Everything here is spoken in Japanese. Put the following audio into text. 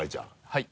はい。